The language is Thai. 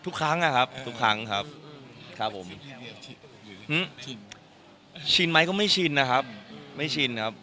ทุกครั้งนะครับทุกครั้งครับครับผมชินชินไหมก็ไม่ชินนะครับไม่ชินครับ